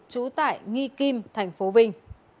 trú tại nghi kim tp vinh